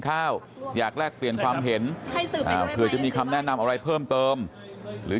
ข้าวอยากแรกเดี่ยนความเห็นมีคำแนะนำอะไรเพิ่มเติมหรือ